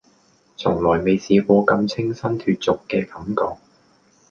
從來未試過咁清新脫俗嘅感覺